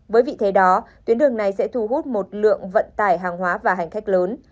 với vị thế đó tuyến đường này sẽ thu hút một lượng vận tải hàng hóa và hành khách lớn